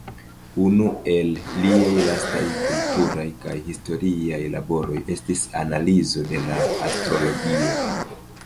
Unu el liaj lastaj kulturaj kaj historiaj laboroj estis analizo de la astrologio.